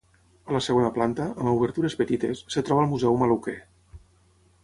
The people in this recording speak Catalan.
A la segona planta, amb obertures petites, es troba el museu Maluquer.